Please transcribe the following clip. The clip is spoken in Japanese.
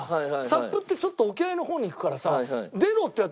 サップってちょっと沖合の方に行くからさ。